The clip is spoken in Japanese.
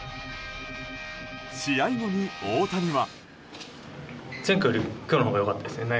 試合後に大谷は。